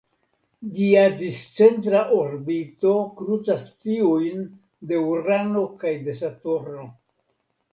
Ĝia discentra orbito krucas tiujn de Urano kaj de Saturno.